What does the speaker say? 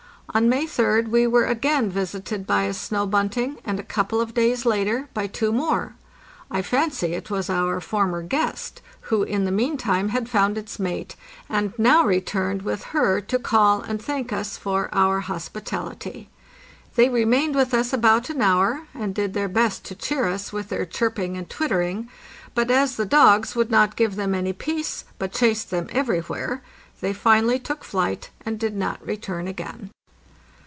On May 3d we were again visited by a snow bunting, and a couple of days later by two more. I fancy it was our former guest, who in the meantime had found its mate, and now returned with her to call and thank us for our hospitality. They remained with us about an hour, and did their best to cheer us with their chirping and twittering; but as the dogs would not give them any peace, but chased them everywhere, they finally took flight, and did not return again.